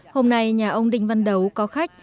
hôm nay nhà ông đinh văn đấu có khách